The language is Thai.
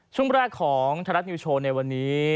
ช่องแรกของธรรมดิวโชว์ในวันนี้